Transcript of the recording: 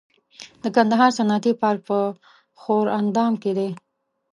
د کندهار صنعتي پارک په ښوراندام کې دی